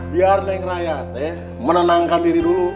biar naik raya teh menenangkan diri dulu